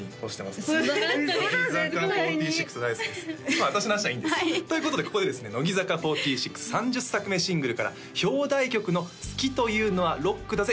まあ私の話はいいんですということでここでですね乃木坂４６３０作目シングルから表題曲の「好きというのはロックだぜ！」